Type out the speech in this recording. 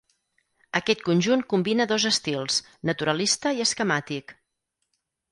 Aquest conjunt combina dos estils, naturalista i esquemàtic.